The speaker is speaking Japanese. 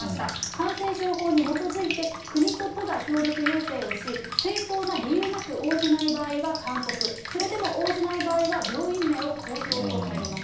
感染症法に基づいて、国と都が協力要請をし、正当な理由なく応じない場合は勧告、それでも応じない場合は病院名を公表となります。